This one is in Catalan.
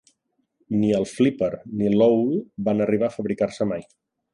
Ni el 'Flipper' ni l''Awl' van arribar a fabricar-se mai.